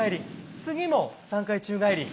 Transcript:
次も３回宙返り。